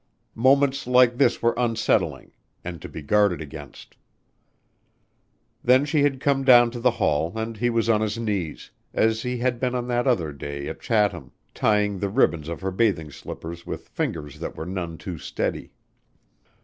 Moments like this were unsettling and to be guarded against. Then she had come down to the hall and he was on his knees, as he had been on that other day at Chatham, tying the ribbons of her bathing slippers with fingers that were none too steady.